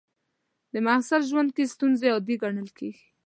د محصل ژوند کې ستونزې عادي ګڼل کېږي.